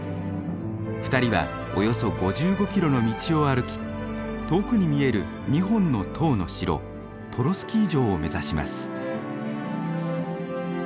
２人はおよそ５５キロの道を歩き遠くに見える２本の塔の城トロスキー城を目指します。